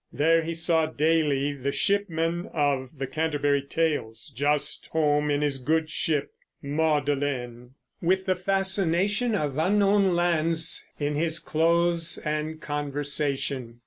There he saw daily the shipman of the Canterbury Tales just home in his good ship Maudelayne, with the fascination of unknown lands in his clothes and conversation.